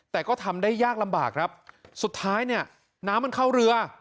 แต่ก็ทำได้ยากลำบากครับสุดท้ายเนี่ยน้ำมันเข้าเรือ